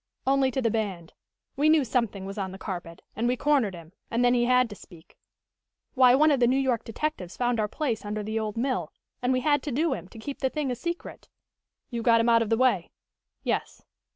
"Only to the band. We knew something was on the carpet and we cornered him and then he had to speak. Why, one of the New York detectives found our place under the old mill, and we had to do him, to keep the thing a secret." "You got him out of the way?" "Yes."